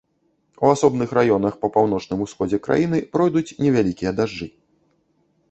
У асобных раёнах па паўночным усходзе краіны пройдуць невялікія дажджы.